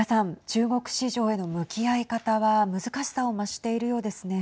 中国市場への向き合い方は難しさを増しているようですね。